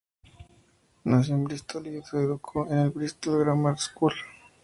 Nació en Bristol y se educó en en Bristol Grammar School.